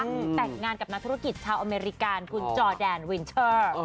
แต่งงานกับนักธุรกิจชาวอเมริกาคุณจอแดนวินเชอร์